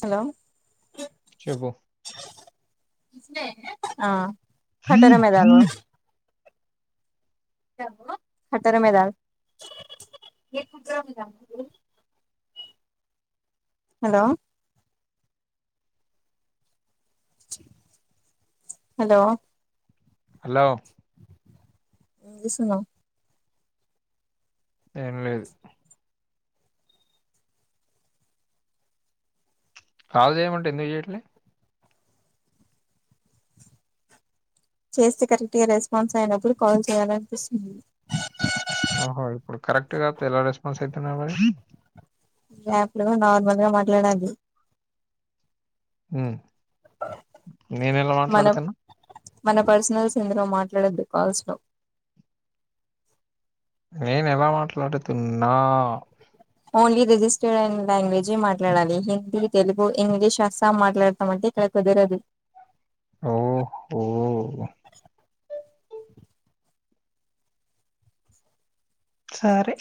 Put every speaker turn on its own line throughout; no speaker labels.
hello
చెప్పు
ఆ కట్టడం ఎదగొ హతర్ర మే దాల్ హలో హలో
హలో
ఏం జేసున్నవ్
ఏం లేదు కాల్ జేయమంటే ఎందుకు చేయట్లే
చేస్తే కరెక్ట్ గా రెస్పాన్స్ అయినప్పుడు కాల్ చేయాలనిపిస్తుంది
ఓహో ఇపుడు కరెక్ట్ గా ఎలా రెస్పాన్స్ అయితున్నా మరి
అప్ లో నార్మల్ గా మాట్లాడది
ఆ నేను ఎలా
మనం
మాట్లాడుతన్నా
మన పర్సనల్స్ ఇందులో మాట్లాడొద్దు కాల్స్ లో
నేను ఎలా మాట్లాడుతున్నా
ఓన్లీ రిజిస్టర్డ్ అయిన లాంగ్వేజ్ మాట్లాడాలి హిందీ తెలుగు ఇంగ్లీష్ అస్సాం మాట్లాడతామంటే ఇక్కడ కుదరదు
ఓహఓ సరే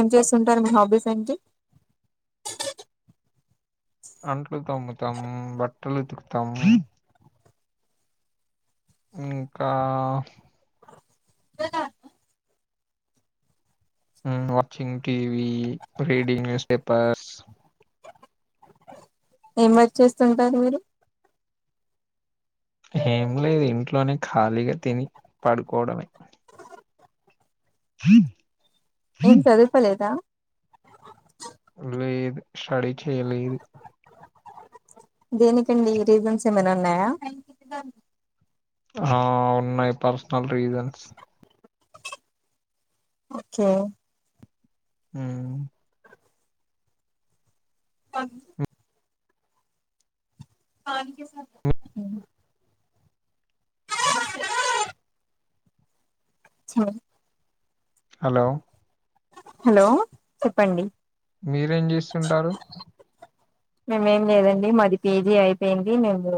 ఏం చేస్తుంటారు మీ హాబీస్ ఏంటి
అంట్లు తోముతాము బట్టలు ఉతుకుతాము ఇంకా
we
watching TV reading newspapers
ఏం వర్క్ చేస్తుంటారు మీరు
ఏం లేదు ఇంట్లోనే ఖాళీగా తిని పడుకోవడమే
ఏం చదువుకోలేదా
లేదు స్టడీ చేయలేదు
దేనికండి రీజన్స్ ఏమైన ఉన్నాయ
ఆ ఉన్నాయి పరస్ నల్ రీజన్స్
ఓకె
ఆ
అ హా
హలొ
హలో చెప్పండి
మీరేం చేస్తుంటారు
మేమేం లేదండి మది పిజీ అయిపోయింది మేము